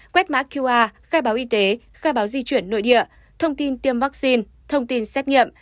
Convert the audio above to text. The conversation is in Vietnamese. quét mã qr khai báo y tế khai báo di chuyển nội địa thông tin tiêm vaccine thông tin xét nghiệm